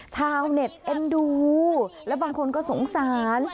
ชาวเน็ตเอ็นดูและบางคนก็สงสาร